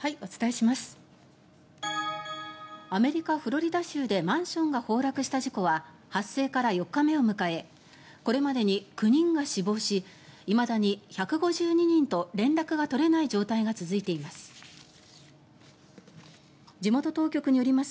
アメリカ・フロリダ州でマンションが崩落した事故は発生から４日目を迎えこれまでに９人が死亡しいまだに１５２人と連絡が取れない状態が続いています。